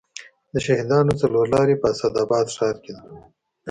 د شهیدانو څلور لارې په اسداباد ښار کې ده